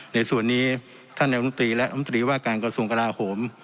ในส่วนนี้ท่านแห่งมนุษย์และมนุษย์ว่าการกระทรวงกราโหม